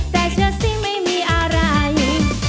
แต่เชื่อสิไม่มีอะไร